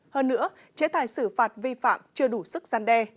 hơn nữa chế tài xử phạt vi phạm chưa đủ sức gian đe